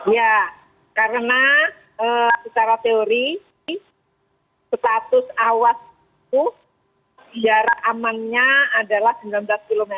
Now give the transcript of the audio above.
ya karena secara teori status awas itu jarak amannya adalah sembilan belas km